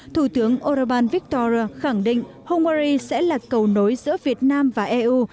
thủ tướng orbán victor khẳng định hungary sẽ là cầu nối giữa việt nam và eu